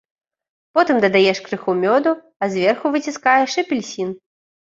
Потым дадаеш крыху мёду, а зверху выціскаеш апельсін.